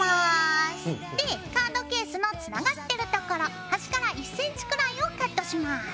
でカードケースのつながってるところ端から１ｃｍくらいをカットします。